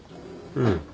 うん。